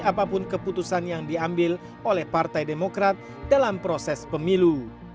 apapun keputusan yang diambil oleh partai demokrat dalam proses pemilu